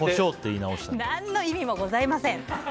何の意味もございません！